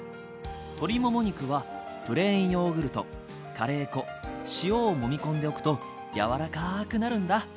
鶏もも肉はプレーンヨーグルトカレー粉塩をもみ込んでおくと柔らかくなるんだ。